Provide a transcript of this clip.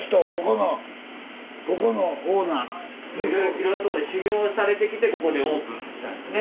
いろんなとこで修業されてきてここでオープンしたんですね。